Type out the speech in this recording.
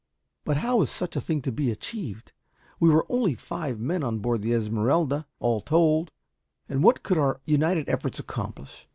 But how was such a thing to be achieved? We were only five men on board the Esmeralda, all told, and what could our united efforts accomplish?